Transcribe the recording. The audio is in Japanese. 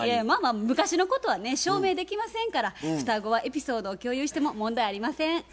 まあまあ昔のことはね証明できませんから双子はエピソードを共有しても問題ありません。